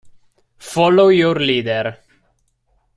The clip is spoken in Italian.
Follow Your Leader